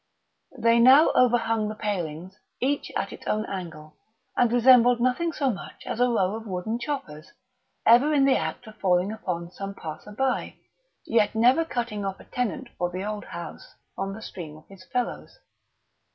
They now overhung the palings each at its own angle, and resembled nothing so much as a row of wooden choppers, ever in the act of falling upon some passer by, yet never cutting off a tenant for the old house from the stream of his fellows.